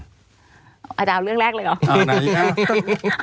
อาจารย์เอาเรื่องแรกเลยเหรอ